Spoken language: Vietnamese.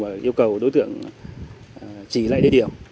và yêu cầu đối tượng chỉ lại địa điểm